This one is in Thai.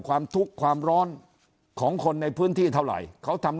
ความทุกข์ความร้อนของคนในพื้นที่เท่าไหร่เขาทำ